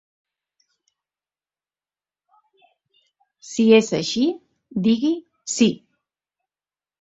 Si es així, digui Sí.